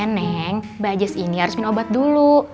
neneng bajes ini harus minum obat dulu